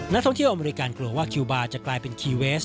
นักท่องเที่ยวอเมริกากลัวว่าคิวบาร์จะกลายเป็นคีเวส